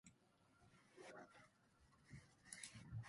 勝手に涙が出てきた。